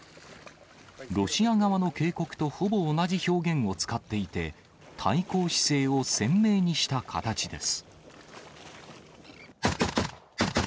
ロシア側の警告とほぼ同じ表現を使っていて、対抗姿勢を鮮明にした形です。